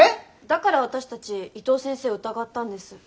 だから私たち伊藤先生を疑ったんです。